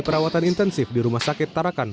perawatan intensif di rumah sakit tarakan